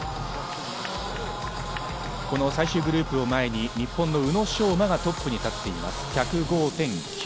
最終グループを前に日本の宇野昌磨がトップに立っています。